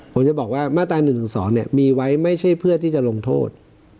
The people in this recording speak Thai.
ผมจะบอกว่ามาตรา๑๑๒มีไว้ไม่ใช่เพื่อที่จะลงโทษ